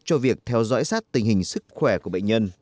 cho việc theo dõi sát tình hình sức khỏe của bệnh nhân